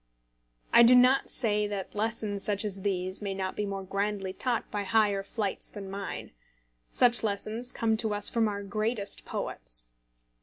I do not say that lessons such as these may not be more grandly taught by higher flights than mine. Such lessons come to us from our greatest poets.